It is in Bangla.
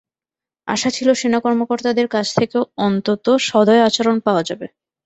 আশা ছিল, সেনা কর্মকর্তাদের কাছ থেকে অন্তত সদয় আচরণ পাওয়া যাবে।